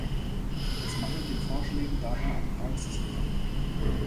Es mangelt den Vorschlägen daher an Praxisnähe.